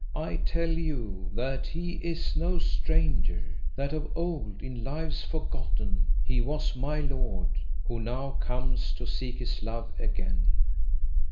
I tell you that he is no stranger; that of old, in lives forgotten, he was my lord who now comes to seek his love again.